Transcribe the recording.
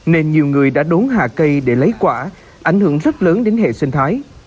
nên nhiều người đã đốn hạ cây để lấy quả ảnh hưởng rất lớn đến hệ sinh thái